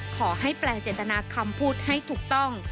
ขอให้แปลจัตนาคำพูดให้ถูกต้อง